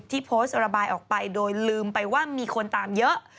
โพสต์ระบายออกไปโดยลืมไปว่ามีคนตามเยอะ